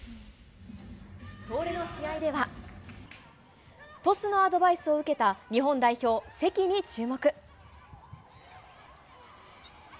東レの試合では、トスのアドバイスを受けた日本代表、関に注目。